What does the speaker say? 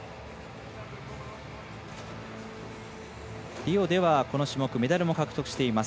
リオではこの種目でメダルも獲得しています